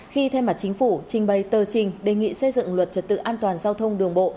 khi thay mặt chính phủ trình bày tờ trình đề nghị xây dựng luật trật tự an toàn giao thông đường bộ